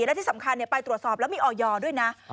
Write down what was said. และที่สำคัญไปตรวจสอบแล้วมีออยด้วยนะ